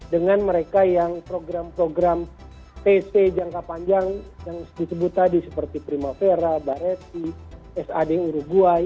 dengan mereka yang program program tc jangka panjang yang disebut tadi seperti primavera bareti sad uruguay